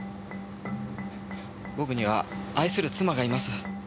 僕には愛する妻がいます。